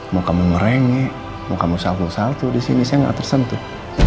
mau kamu merenge mau kamu sabuk sabuk disini saya nggak tersentuh